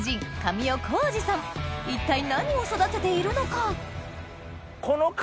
一体何を育てているのか？